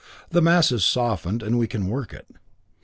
The mass is softened, and we can work it.